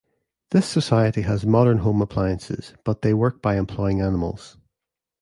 This society has modern home appliances, but they work by employing animals.